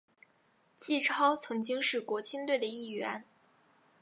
纪超曾经是国青队的一员。